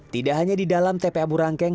tidak hanya di dalam tpa burangkeng